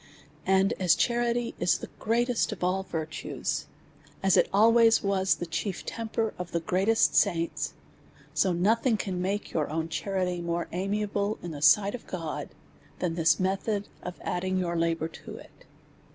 And as charity is the greatest of all virtues, as it al ways was the chief temper of the greatest saints ; so nothing can make your ow n charity more amiable in the sight of God, than this method of adding your la bour to it.